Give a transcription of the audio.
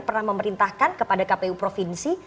pernah memerintahkan kepada kpu provinsi